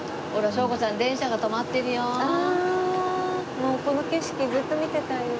もうこの景色ずっと見ていたいです。